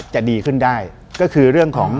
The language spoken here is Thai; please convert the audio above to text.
จะดีขึ้นได้ก็คือเรื่องของ